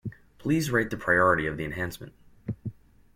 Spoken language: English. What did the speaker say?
Please rate the priority of the enhancement.